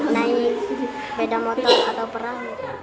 naik beda motor atau perahu